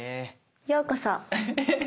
ようこそ。